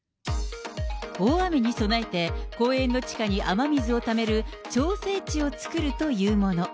大雨に備えて、公園の地下に雨水をためる調整池を作るというもの。